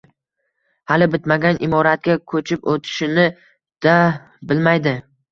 hali bitmagan imoratga ko‘chib o‘tishini-da bilmaydi.